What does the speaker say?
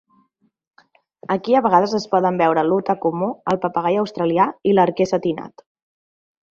Aquí a vegades es poden veure l'uta comú, el papagai australià i l'arquer setinat.